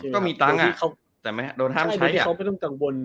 ก็มีเงาน่ะเดินใช้อะเขาก็ไม่ต้องกังวล